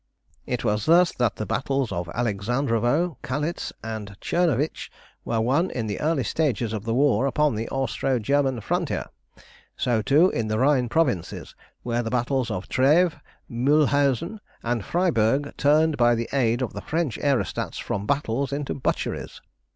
"It was thus that the battles of Alexandrovo, Kalisz, and Czernowicz were won in the early stages of the war upon the Austro German frontier. So, too, in the Rhine Provinces, were the battles of Treves, Mulhausen, and Freiburg turned by the aid of the French aerostats from battles into butcheries.